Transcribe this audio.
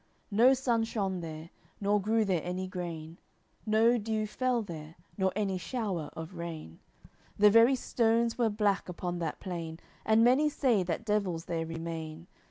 No sun shone there, nor grew there any grain, No dew fell there, nor any shower of rain, The very stones were black upon that plain; And many say that devils there remain.